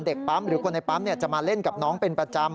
ปั๊มหรือคนในปั๊มจะมาเล่นกับน้องเป็นประจำ